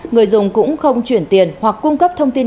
người dùng cũng không chuyển tiền hoặc cung cấp thông tin